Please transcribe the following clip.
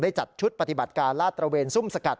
จัดชุดปฏิบัติการลาดตระเวนซุ่มสกัด